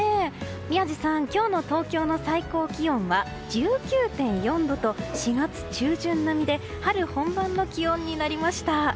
宮司さん、今日の東京の最高気温は１９．４度と４月中旬並みで春本番の気温になりました。